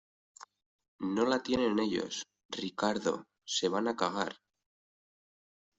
no la tienen ellos. Ricardo, se van a cagar .